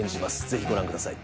是非ご覧ください。